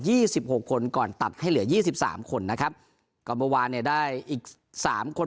สิบหกคนก่อนตัดให้เหลือยี่สิบสามคนนะครับก็เมื่อวานเนี่ยได้อีกสามคน